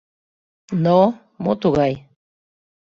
Но, мо тугай?..